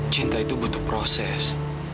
cinta itu butuh proses